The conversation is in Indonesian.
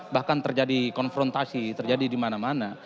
bahkan terjadi konfrontasi terjadi di mana mana